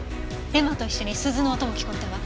絵馬と一緒に鈴の音も聞こえたわ。